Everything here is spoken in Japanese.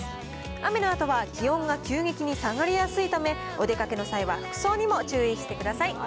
雨のあとは気温が急激に下がりやすいため、お出かけの際は服装にも注意してください。